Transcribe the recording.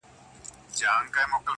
ما وېشلي هر یوه ته اقلیمونه!!